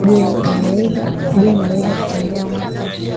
Je, naweza kutembea hapa?